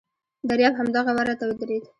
دریاب همدغه وره ته ودرېد.